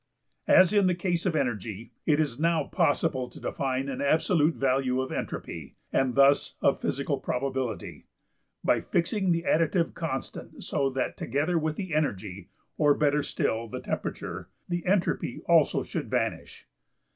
As in the case of energy, it is now possible to define an absolute value of entropy, and thus of physical probability, by fixing the additive constant so that together with the energy (or better still, the temperature) the entropy also should vanish.